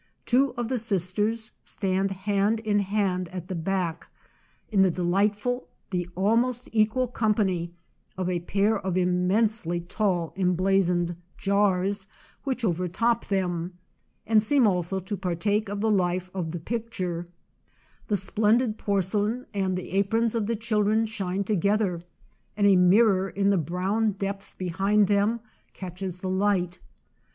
Two of the sisters stand hand in hand at the back, in the delightful, the almost equal, company of a pair of immensely tall em blazoned jars, which overtop them, and seem also to partake of the life of the picture ; the splendid porcelain and the aprons of the children shine together, and a mirror in the brown depth behind them catches the light.